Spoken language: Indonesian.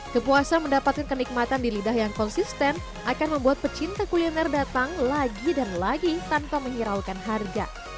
kepuasan mendapatkan kenikmatan di lidah yang konsisten akan membuat pecinta kuliner datang lagi dan lagi tanpa menghiraukan harga